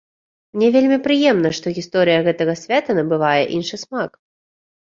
Мне вельмі прыемна, што гісторыя гэтага свята набывае іншы смак.